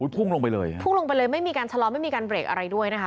พุ่งลงไปเลยไม่มีการชะลอดไม่มีการเบรกอะไรด้วยนะคะ